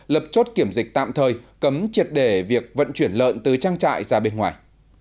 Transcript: lập chốt kiểm dịch tạm thời cấm triệt để việc vận chuyển lợn từ trang trại ra bên ngoài